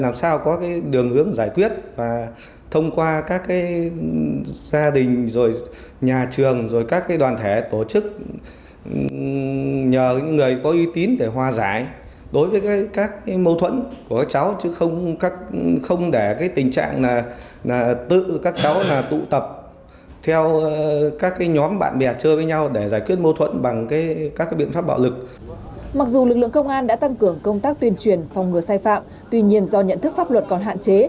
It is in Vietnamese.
mặc dù lực lượng công an đã tăng cường công tác tuyên truyền phòng ngừa sai phạm tuy nhiên do nhận thức pháp luật còn hạn chế